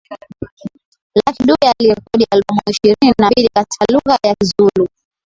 Lucky Dube Alirekodi albamu ishirini na mbili katika lugha ya Kizulu